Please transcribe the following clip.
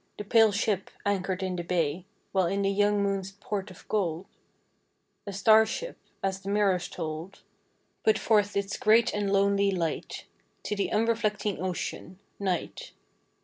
The pale ship anchored in the bay, While in the young moon's port of gold A star ship — as the mirrors told — Put forth its great and lonely light To the unreflecting Ocean, Night.